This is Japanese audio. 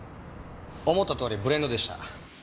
思ったとおりブレンドでした。